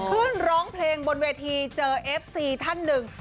ร้องเพลงบนเวทีเจอเอฟซีท่านหนึ่ง